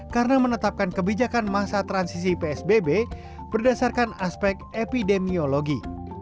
karena menetapkan kebijakan masa transisi psbb berdasarkan aspek epidemiologi